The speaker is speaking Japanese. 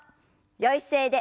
よい姿勢で。